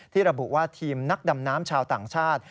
ระบุว่าทีมนักดำน้ำชาวต่างชาติ